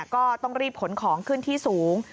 ก็ต้องรีบขนของขึ้นที่สูง